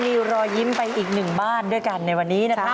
มีรอยยิ้มไปอีกหนึ่งบ้านด้วยกันในวันนี้นะครับ